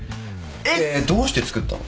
でどうして作ったの？